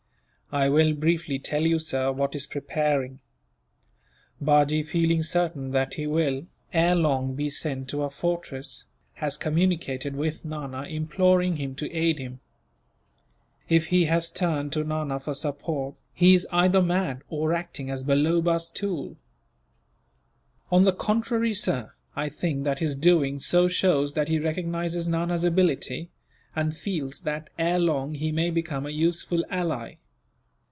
"I will briefly tell you, sir, what is preparing. Bajee, feeling certain that he will, ere long, be sent to a fortress, has communicated with Nana, imploring him to aid him." "If he has turned to Nana for support, he is either mad, or acting as Balloba's tool." "On the contrary, sir, I think that his doing so shows that he recognizes Nana's ability; and feels that, ere long, he may become a useful ally.